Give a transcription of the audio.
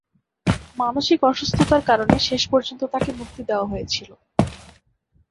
মানসিক অসুস্থতার কারণে শেষ পর্যন্ত তাকে মুক্তি দেওয়া হয়েছিল।